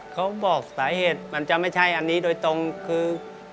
เขาบอกสาเหตุมันจะไม่ใช่อันนี้โดยตรงคือ